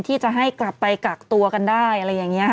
ที่จะให้กลับไปกักตัวกันได้อะไรอย่างนี้ค่ะ